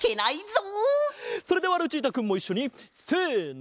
それではルチータくんもいっしょにせの。